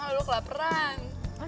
oh lo kelaperan